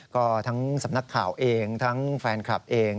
ก็ทั้งสำนักข่าวเองทั้งแฟนคลับเอง